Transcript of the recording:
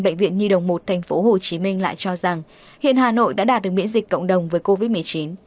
bệnh viện nhi đồng một tp hcm lại cho rằng hiện hà nội đã đạt được miễn dịch cộng đồng với covid một mươi chín